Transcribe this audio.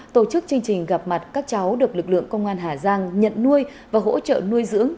tổ chức chương trình gặp mặt các cháu được lực lượng công an hà giang nhận nuôi và hỗ trợ nuôi dưỡng